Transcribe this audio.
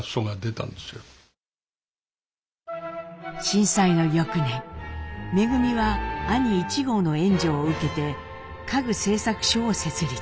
震災の翌年恩は兄壹号の援助を受けて家具製作所を設立。